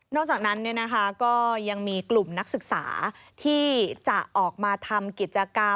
จากนั้นก็ยังมีกลุ่มนักศึกษาที่จะออกมาทำกิจกรรม